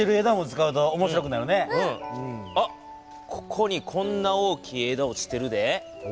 ここにこんな大きい枝落ちてるで。